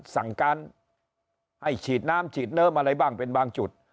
สั่งการให้ฉีดน้ำฉีดเนิมอะไรบ้างเป็นบางจุด